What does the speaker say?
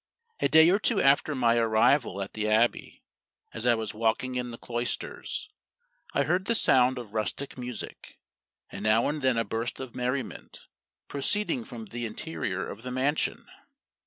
A day or two after my arrival at the Abbey, as I was walking in the cloisters, I heard the sound of rustic music, and now and then a burst of merriment, proceeding from the interior of the mansion.